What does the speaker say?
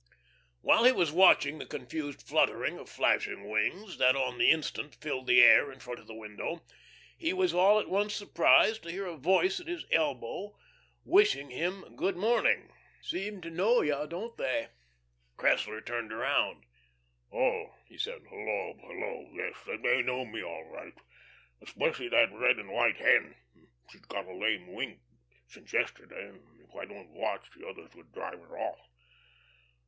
While he was watching the confused fluttering of flashing wings, that on the instant filled the air in front of the window, he was all at once surprised to hear a voice at his elbow, wishing him good morning. "Seem to know you, don't they?" Cressler turned about. "Oh," he said. "Hullo, hullo yes, they know me all right. Especially that red and white hen. She's got a lame wing since yesterday, and if I don't watch, the others would drive her off.